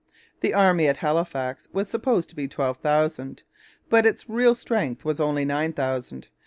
The army at Halifax was supposed to be twelve thousand, but its real strength was only nine thousand.